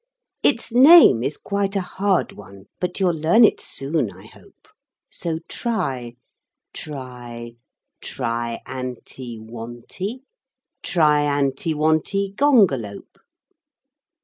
Its name is quite a hard one, but you'll learn it soon, I hope. So try: Tri Tri anti wonti Triantiwontigongolope.